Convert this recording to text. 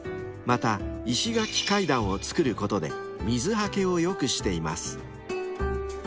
［また石垣階段を作ることで水はけを良くしています］